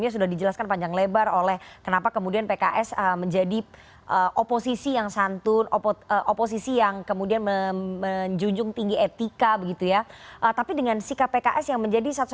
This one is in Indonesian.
sudah salah tidak mau minta maaf